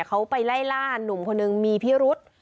เขาไปไล่ล่านุ่มคนหนึ่งมีพิรุษ